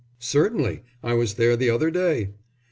"Certainly; I was there the other day."